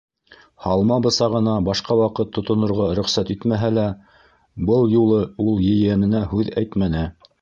- Һалма бысағына башҡа ваҡыт тотонорға рөхсәт итмәһә лә, был юлы ул ейәненә һүҙ әйтмәне.